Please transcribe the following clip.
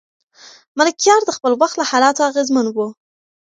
ملکیار د خپل وخت له حالاتو اغېزمن و.